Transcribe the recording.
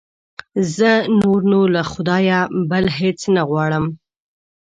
زه نور نو له خدایه بل هېڅ نه غواړم.